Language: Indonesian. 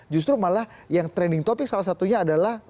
justru malah yang trending topic salah satunya adalah